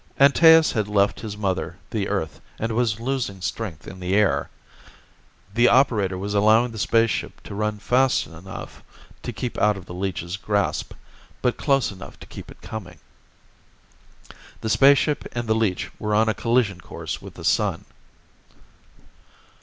Antaeus had left his mother, the Earth, and was losing his strength in the air. The operator was allowing the spaceship to run fast enough to keep out of the leech's grasp, but close enough to keep it coming. The spaceship and the leech were on a collision course with the Sun.